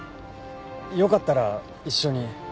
よかったら一緒に。